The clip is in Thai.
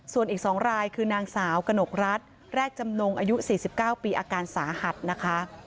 ส่วนอีกสองรายคือนางสาวกนกรัฐแรกจำนงอายุสี่สิบเก้าปีอาการสหัตน์นะคะ